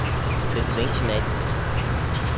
Presidente Médici